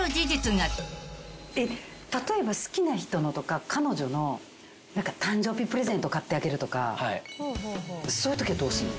例えば好きな人のとか彼女の誕生日プレゼント買ってあげるとかそういうときはどうすんの？